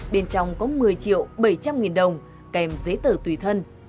bên trong có một mươi triệu bảy trăm linh nghìn đồng kèm giấy tờ tùy thân